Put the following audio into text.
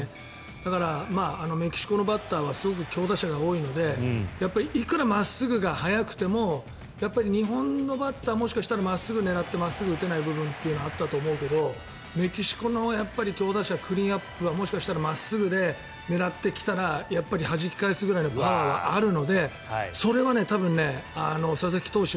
だから、メキシコのバッターはすごく強打者が多いのでいくら真っすぐが速くても日本のバッターもしかしたら真っすぐを狙って真っすぐ打てない部分があったかもしれないけどメキシコの強打者クリーンアップはもしかしたら真っすぐで狙ってきたらはじき返すくらいのパワーはあるのでそれは多分、佐々木投手